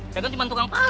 saya kan cuma tukang parut